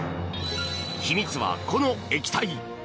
秘密は、この液体。